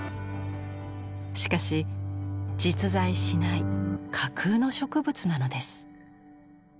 しかし実在しない架空の植物なのです。